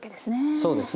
そうですね。